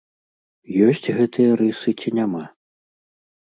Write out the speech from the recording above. Ёсць гэтыя рысы ці няма?